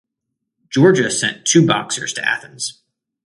Georgia sent two boxers to Athens.